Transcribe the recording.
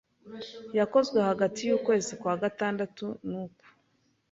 yakozwe hagati y'ukwezi kwa gatandatu nuku